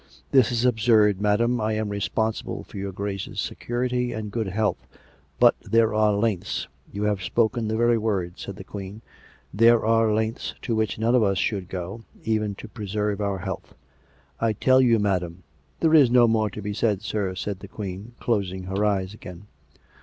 " This is absurd, madam. I am responsible for your Grace's security and good health. But there are lengths "" You have spoken the very word," said the Queen. " There are lengths to which none of us should go, even to preserve our health." " I tell you, madam "" There is no more to be said, sir," said the Queen, closing her eyes again.